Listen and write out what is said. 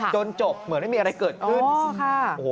จนจบเหมือนไม่มีอะไรเกิดขึ้น